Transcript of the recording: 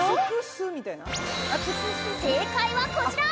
正解はこちら。